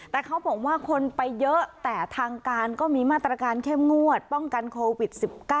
แต่เขาบอกว่าคนไปเยอะแต่ทางการก็มีมาตรการเข้มงวดป้องกันโควิด๑๙